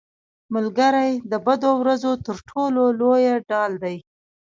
ملګری د بدو ورځو تر ټولو لویه ډال دی